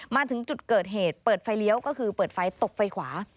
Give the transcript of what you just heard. มาถึงจุดเกิดเหตุเปิดไฟเลี้ยวก็คือเปิดไฟตบไฟขวา